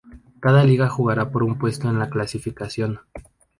Cada liga jugará por un puesto en la clasificación.